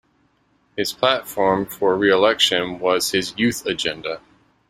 His platform for re-election was his 'Youth Agenda'.